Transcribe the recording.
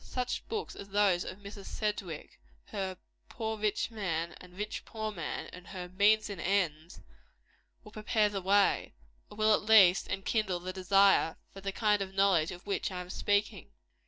Such books as those of Miss Sedgwick her "Poor Rich Man, and Rich Poor Man," and her "Means and Ends" will prepare the way, or will at least enkindle the desire, for the kind of knowledge of which I am speaking.